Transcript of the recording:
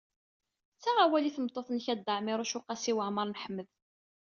Ttaɣ awal i tmeṭṭut-nnek a Dda Ɛmiiruc u Qasi Waɛmer n Ḥmed.